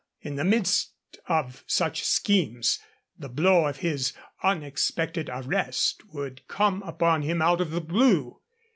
In the midst of such schemes, the blow of his unexpected arrest would come upon him out of the blue.